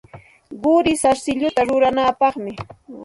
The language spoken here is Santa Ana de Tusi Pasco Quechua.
Quri sarsilluta ruranapaqmi.